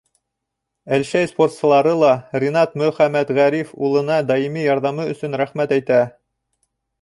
Әлшәй спортсылары ла Ринат Мөхәмәтғариф улына даими ярҙамы өсөн рәхмәт әйтә.